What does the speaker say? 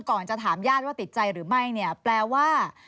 ก่อนจะถามญาติว่าติดใจหรือไม่เนี่ยแปลว่า